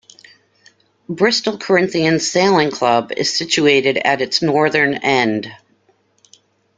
Bristol Corinthians sailing club is situated at its northern end.